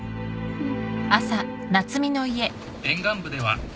うん。